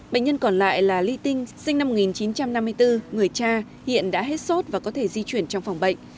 bệnh nhân còn lại là ly tinh sinh năm một nghìn chín trăm năm mươi bốn người cha hiện đã hết sốt và có thể di chuyển trong phòng bệnh